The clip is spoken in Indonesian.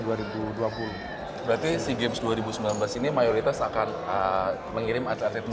berarti sea games dua ribu sembilan belas ini mayoritas akan mengirim atlet atlet muda